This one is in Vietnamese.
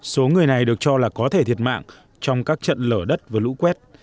số người này được cho là có thể thiệt mạng trong các trận lở đất và lũ quét